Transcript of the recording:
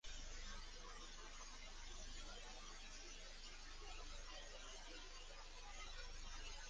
The player attempts to set up a number of giant dominoes across the screen.